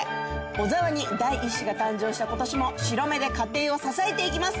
小澤に第一子が誕生した今年も白目で家庭を支えていきます。